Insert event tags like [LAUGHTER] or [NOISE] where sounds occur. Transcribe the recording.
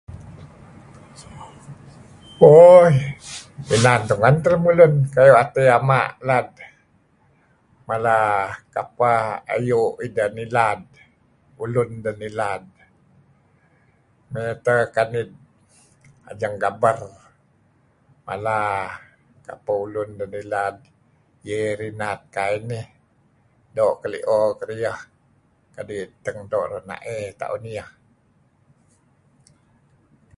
Ooi, inan tungen tun teh lemulun kayu' mate yama nilad mala kapeh ayu ideh nilad ulun deh nilad kayu kanid [UNINTELLIGIBLE] kanid mala kapeh ulun deh nilad ye rinat kai nih doo' keli'o kediah kadi' keteng doo' rena'ey kediah ta'on iyeh.